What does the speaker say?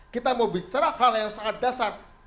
kita mau bicara hal yang sangat dasar